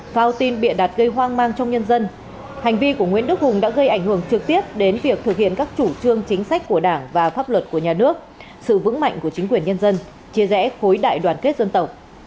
phao tin bịa đặt gây hoang mang trong nhân dân hành vi của nguyễn đức hùng đã gây ảnh hưởng trực tiếp đến việc thực hiện các chủ trương chính sách của đảng và pháp luật của nhà nước sự vững mạnh của chính quyền nhân dân chia rẽ khối đại đoàn kết dân tộc